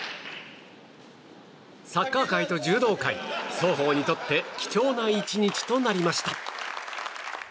サッカー界と柔道界双方にとって貴重な１日となりました。